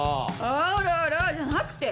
「あらら」じゃなくて。